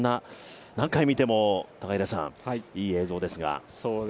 何回見ても、いい映像ですが。